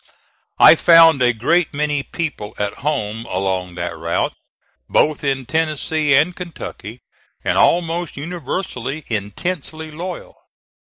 I found a great many people at home along that route, both in Tennessee and Kentucky, and, almost universally, intensely loyal.